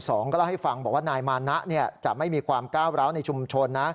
ก็เล่าให้ฟังบอกว่านายมานะจะไม่มีความก้าวร้าวในชุมชนนะ